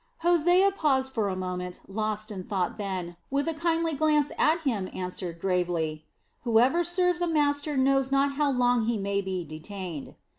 Hosea paused for a moment, lost in thought then, with a kindly glance at him answered, gravely "Whoever serves a master knows not how long he may be detained."